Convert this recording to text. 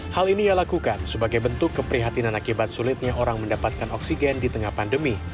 hal ini ia lakukan sebagai bentuk keprihatinan akibat sulitnya orang mendapatkan oksigen di tengah pandemi